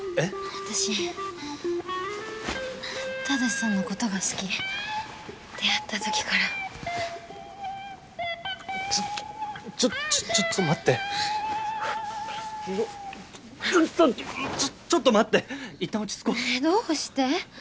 私正さんのことが好き出会った時からちょっちょっと待ってちょっとちょっと待っていったん落ち着こうどうして？